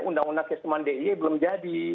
undang undang kesemuan diy belum jadi